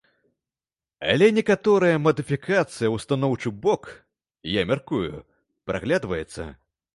Але некаторая мадыфікацыя ў станоўчы бок, я мяркую, праглядваецца.